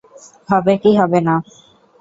হবে কি হবে না।